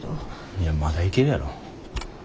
いやまだいけるやろ。